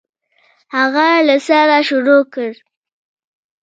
هغه له سره شروع کړ.